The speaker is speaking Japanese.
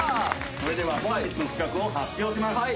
それでは本日の企画を発表します